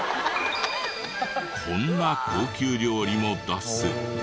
こんな高級料理も出す。